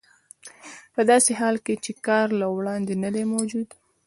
په داسې حال کې چې کار له وړاندې نه دی موجود